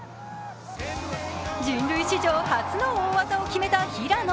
人類史上初の大技を決めた平野。